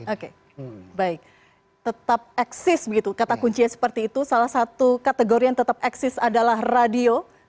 oke baik tetap eksis begitu kata kuncinya seperti itu salah satu kategori yang tetap eksis adalah radio